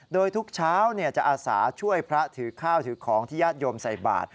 โดยทุกเช้าจะอาสาช่วยพระถือข้าวถือของที่ญาติโยมใส่บาท